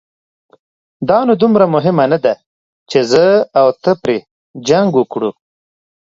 دا نو دومره مهمه نه ده، چې زه او ترې پرې جنګ وکړو.